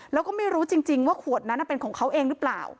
แล้วก็ไม่รู้จริงว่าขวดนั้นเป็นของเขาเองหรือเปล่า